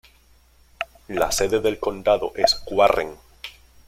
La sede del condado es Warren.